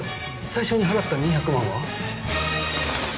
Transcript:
最初に払った２００万は？